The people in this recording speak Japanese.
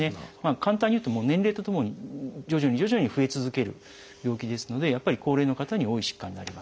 簡単に言うと年齢とともに徐々に徐々に増え続ける病気ですのでやっぱり高齢の方に多い疾患になります。